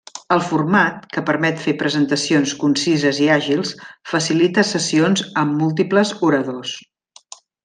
El format, que permet fer presentacions concises i àgils, facilita sessions amb múltiples oradors.